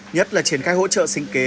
nhất là triển khai hỗ trợ sinh viên